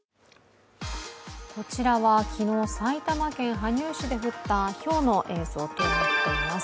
こちらは昨日埼玉県羽生市で降ったひょうの映像となっています。